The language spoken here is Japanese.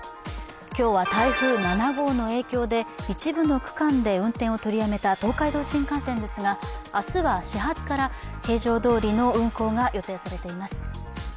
今日は台風７合の影響で一部の区間で運転を取りやめた東海道新幹線ですが明日は始発から平常どおりの運行が予定されています。